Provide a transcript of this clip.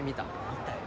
見たよ。